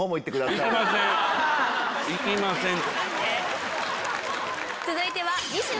行きません。